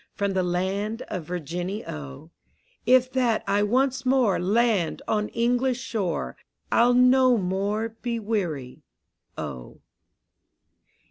From the land of Virginny, O: If that I once more Land on English shore, I'll no more be weary, O.